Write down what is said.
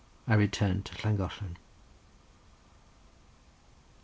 I returned to Llangollen.